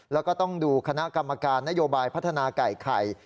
แล้วก็ต้องดูคณะกรรมการนโยบายพัฒนาไก่ไข่